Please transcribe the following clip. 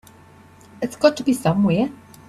It's got to be somewhere.